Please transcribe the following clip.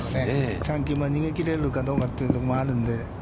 チャン・キムは逃げ切れるかどうかというところもあるので。